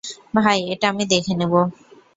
ভাই, এটা আমি দেখে নিব।